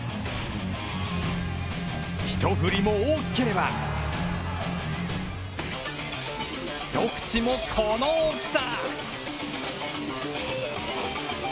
一振りも大きければ、一口も、この大きさ！！